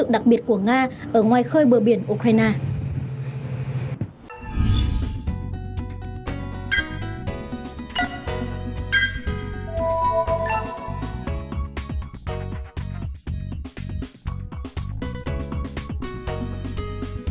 đặc biệt của nga ở ngoài khơi bờ biển ukraine